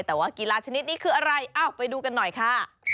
แต่ว่ากีฬาชนิดนี้คืออะไรเอ้าไปดูกันหน่อยค่ะ